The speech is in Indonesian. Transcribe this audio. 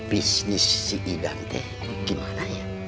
bisnis si idan teh gimana ya